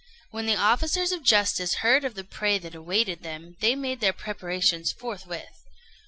When the officers of justice heard of the prey that awaited them, they made their preparations forthwith.